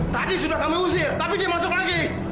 tadi sudah kami usir tapi dia masuk lagi